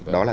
đó là ba